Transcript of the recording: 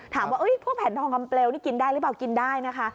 ถามว่าพวกแผ่นทองคำเปลวนี่กินได้หรือเปล่ากินได้นะคะ